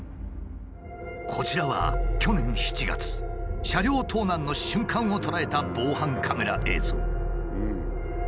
こちらは去年７月車両盗難の瞬間を捉えた防犯カメラ映像。